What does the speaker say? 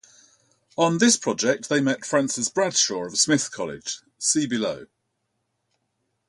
On this project they met Frances Bradshaw of Smith College - see below.